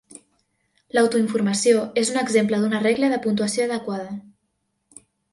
L'autoinformació és un exemple d'una regla de puntuació adequada.